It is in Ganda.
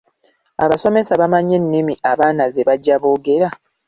Abasomesa bamanyi ennimi abaana ze bajja boogera?